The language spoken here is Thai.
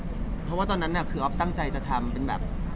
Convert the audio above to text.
เพราะว่าตอนนั้นคืออ๊อฟตั้งใจจะทำเป็นแบบ